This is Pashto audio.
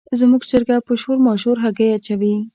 زموږ چرګه په شور ماشور هګۍ اچوي.